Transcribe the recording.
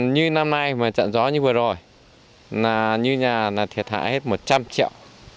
như năm nay mà trận gió như vừa rồi là như nhà là thiệt hại hết một trăm linh triệu